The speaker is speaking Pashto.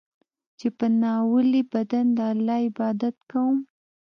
چې په ناولي بدن د الله عبادت کوم.